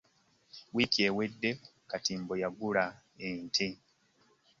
Wiiki ewedde katimbo yagula ente.